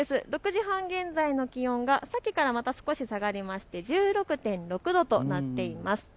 ６時半現在の気温がさっきから少し下がって１６．６度となっています。